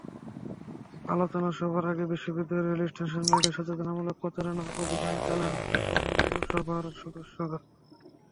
আলোচনা সভার আগে বিশ্ববিদ্যালয়ের রেলস্টেশন এলাকায় সচেতনতামূলক প্রচারণা অভিযান চালান বন্ধুসভার সদস্যরা।